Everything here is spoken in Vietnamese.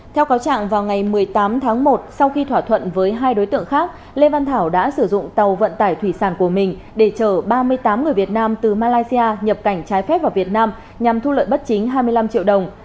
theo cáo trạng vào ngày một mươi tám tháng một sau khi thỏa thuận với hai đối tượng khác lê văn thảo đã sử dụng tàu vận tải thủy sản của mình để chở ba mươi tám người việt nam từ malaysia nhập cảnh trái phép vào việt nam nhằm thu lợi bất chính hai mươi năm triệu đồng